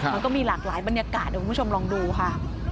มันก็มีหลากหลายบรรยากาศเดี๋ยวคุณผู้ชมลองดูค่ะ